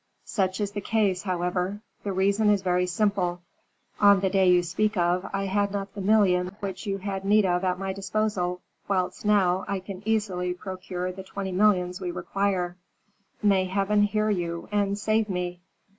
"Such is the case, however the reason is very simple. On the day you speak of, I had not the million which you had need of at my disposal, whilst now I can easily procure the twenty millions we require." "May Heaven hear you, and save me!"